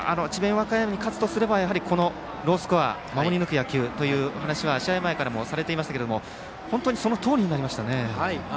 和歌山に勝つとすればやはり、このロースコア守り抜く野球というお話は試合前からされていましたがそのとおりになりましたね。